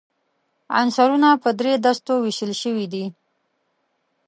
عنصرونه په درې دستو ویشل شوي دي.